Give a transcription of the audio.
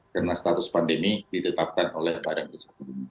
karena status pandemi ditetapkan oleh pak ranggisa